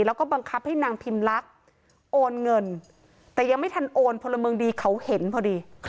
แล้วก็บังคับให้นางพิมลักษณ์โอนเงินแต่ยังไม่ทันโอนพลเมืองดีเขาเห็นพอดี